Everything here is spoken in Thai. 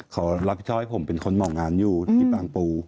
เขารับผิดชอบให้ผมเป็นคนเหมาะงานอยู่ที่บางปู